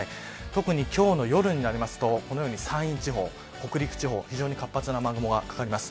特に今日の夜になりますと山陰地方、北陸地方活発な雨雲がかかります。